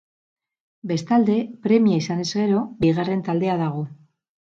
Bestalde, premia izanez gero bigarren taldea dago.